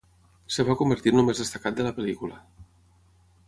Es va convertir en el més destacat de la pel·lícula.